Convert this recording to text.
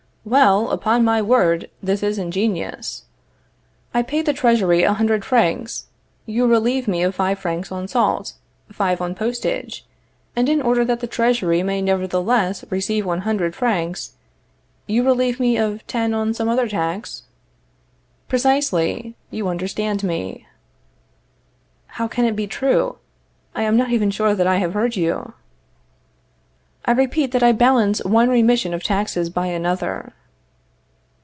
Well, upon my word, this is ingenious. I pay the Treasury a hundred francs; you relieve me of five francs on salt, five on postage; and in order that the Treasury may nevertheless receive one hundred francs, you relieve me of ten on some other tax? Precisely; you understand me. How can it be true? I am not even sure that I have heard you. I repeat that I balance one remission of taxes by another.